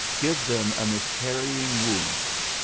give them a miscarrying womb.